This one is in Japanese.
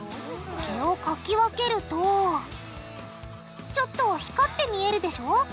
毛をかき分けるとちょっと光って見えるでしょ。